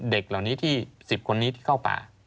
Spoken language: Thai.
เด็กเหล่านี้ที่๑๐คนนี้ที่เข้าป่า